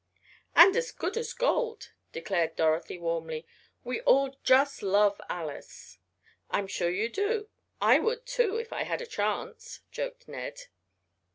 "And as good as gold!" declared Dorothy warmly. "We all just love Alice!" "I am sure you do. I would to if I had a chance," joked Ned.